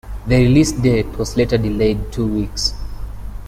The release date was later delayed two weeks.